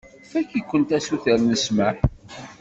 Fakk-ikent asuter n ssmaḥ.